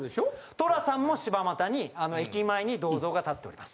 寅さんも柴又に駅前に銅像が立っております。